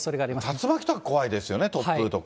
竜巻とか怖いですね、突風とか。